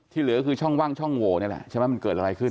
ที่เหลือคือช่องว่างช่องโหวเหมือนกันแหละนะที่มันเกิดอะไรขึ้น